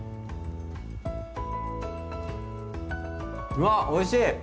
うわっおいしい！